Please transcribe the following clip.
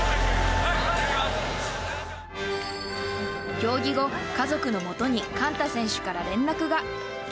競技後、家族のもとに寛太選手から連絡が。